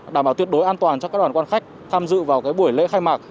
đảm bảo tuyệt đối an toàn cho các đoàn quan khách tham dự vào buổi lễ khai mạc